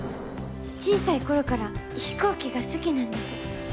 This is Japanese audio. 小さい頃から飛行機が好きなんです。